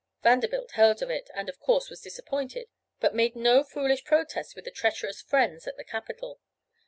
Vanderbilt heard of it, and of course was disappointed but made no foolish protests with the treacherous 'friends' at the capitol.